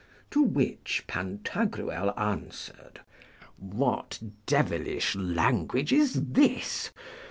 To which Pantagruel answered, What devilish language is this?